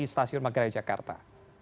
stasiun manggare jakarta